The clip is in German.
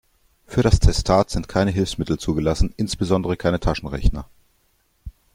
Für das Testat sind keine Hilfsmittel zugelassen, insbesondere keine Taschenrechner.